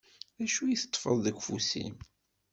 D acu i teṭṭfeḍ deg ufus-im?